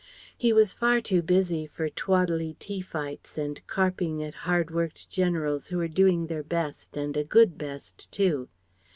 He was far too busy for twaddly tea fights and carping at hard worked generals who were doing their best and a good best too.